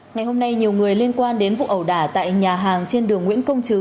ngày hôm nay nhiều người liên quan đến vụ ẩu đả tại nhà hàng trên đường nguyễn công chứ